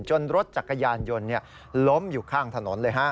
รถจักรยานยนต์ล้มอยู่ข้างถนนเลยฮะ